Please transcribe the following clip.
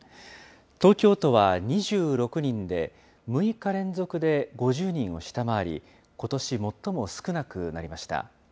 東京都は２６人で、６日連続で５０人を下回り、ことし最も少なくなりました。